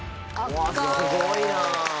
うわっすごいなあ。